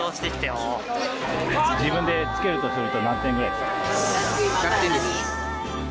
自分でつけるとすると何点ぐらいですか？